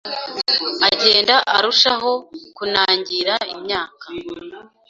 Agenda arushaho kunangira imyaka.